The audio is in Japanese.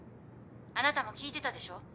あなたも聞いてたでしょ？